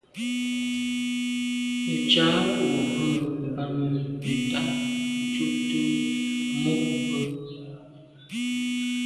Nə̀ cǎ ú rə̀ bɑ́mə́ nə̀tâ ncûptə̂ mû’ bə̀.